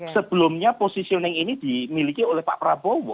sebelumnya positioning ini dimiliki oleh pak prabowo